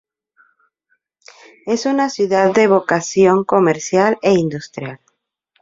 Es una ciudad de vocación comercial e industrial.